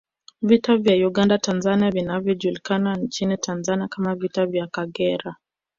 Vita vya Uganda Tanzania vinavyojulikana nchini Tanzania kama Vita vya Kagera